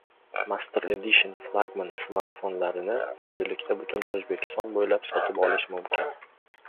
Master Edition flagman smartfonlarini endilikda butun O‘zbekiston bo‘ylab sotib olish mumkin